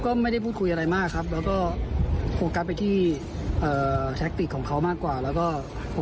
ครับก็ไม่ได้พูดคุยอะไรมากครับแล้วก็โปรการไปที่ของเขามากกว่าแล้วก็